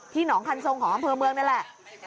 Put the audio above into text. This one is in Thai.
หนองคันทรงของอำเภอเมืองนี่แหละ